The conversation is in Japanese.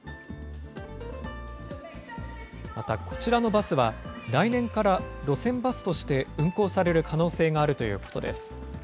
またこちらのバスは、来年から路線バスとして運行される可能性があるということです。